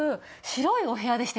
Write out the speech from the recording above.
白いお部屋です。